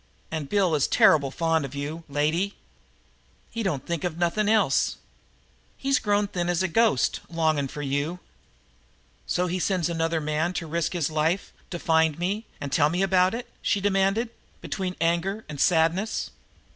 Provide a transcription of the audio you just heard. And Bill is terrible fond of you, lady he don't think of nothing else. He's grown thin as a ghost, longing for you." "So he sends another man to risk his life to find me and tell me about it?" she demanded, between anger and sadness.